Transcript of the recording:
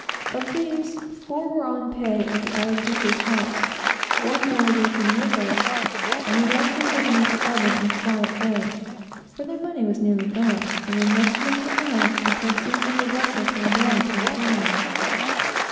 Of these, four were on pay at the Ayacucho's house, four more working with us, and the rest were living at the oven in a quiet way; for their money was nearly gone, and they must make it last until some other vessel came down to employ them.